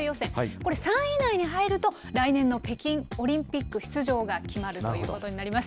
これ、３位以内に入ると、来年の北京オリンピック出場が決まるということになります。